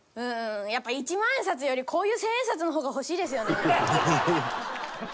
やっぱ一万円札よりこういう千円札の方が欲しいですよね。